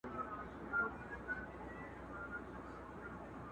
له خټو جوړه لویه خونه ده زمان ژوولې؛